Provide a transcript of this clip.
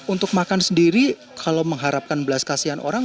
untuk makan sendiri kalau mengharapkan belas kasihan orang